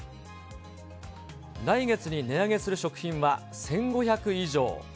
来月に値上げする食品は１５００以上。